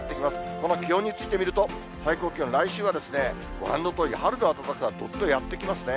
この気温についてみると、最高気温、来週はご覧のとおり、春の暖かさがどっとやって来ますね。